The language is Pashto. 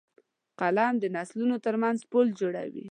قلم د نسلونو ترمنځ پُل جوړوي